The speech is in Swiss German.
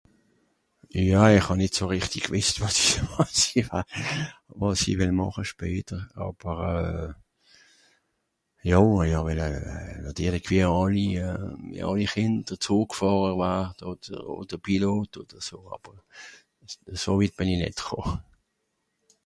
Ja ìch hà nìt so rìchtig gwisst, wàs i haha... wàs i... wàs i wìll màcha später, àber euh... jo i hà welle nàtirlig wie àlli... wie àlli Chìnd, e Zùgfàhrer warda, àls, odder Pilot odder so àbber, so witt bìn i nìt chu